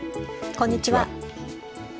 こんにちは。